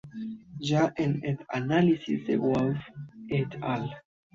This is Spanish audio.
Ya en el análisis de Wolf "et al.